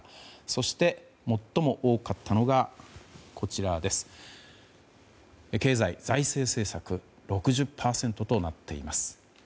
そして、最も多かったのが経済・財政政策６０％となっています。